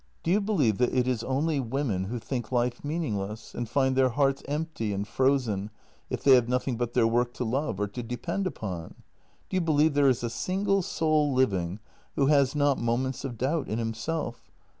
Do you believe that it is only women who think life meaningless, and find their hearts empty and frozen if they have nothing but their work to love or to depend upon? Do you believe there is a single soul living who has not moments of doubt in him self?